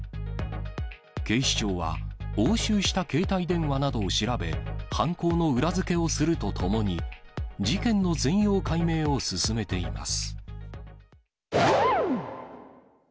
警視庁は、押収した携帯電話などを調べ、犯行の裏付けをするとともに、事件の全容解明を進めています。